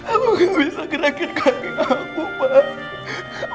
aku gak bisa gerakin kaki aku papa